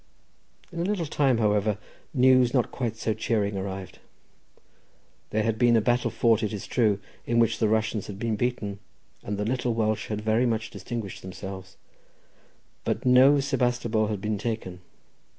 In a little time, however, news not quite so cheering arrived. There had been a battle fought, it is true, in which the Russians had been beaten, and the little Welsh had very much distinguished themselves, but no Sebastopol had been taken.